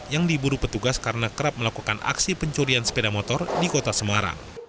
yang diburu petugas karena kerap melakukan aksi pencurian sepeda motor di kota semarang